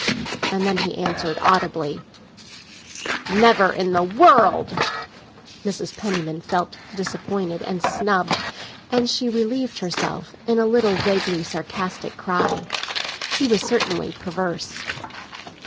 And then he answered audibly: "Never in the world!" Mrs. Penniman felt disappointed and snubbed, and she relieved herself in a little vaguely sarcastic cry. He was certainly perverse.